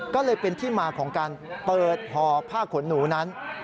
ก็เลยเป็นที่มาของการเปิดห่อผ้าขนหนูนั้น